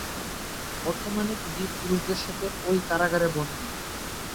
বর্তমানে তিনি পুরুষদের সাথে ওই কারাগারে বন্দি।